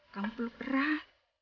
kamu perlu berat